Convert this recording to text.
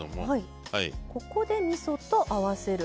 ここでみそと合わせる。